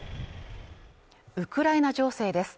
ウクライナ情勢です